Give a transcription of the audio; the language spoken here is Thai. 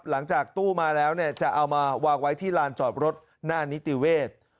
หลังจากตู้มาแล้วเนี่ยจะเอามาวางไว้ที่ลานจอดรถหน้านิติเวศ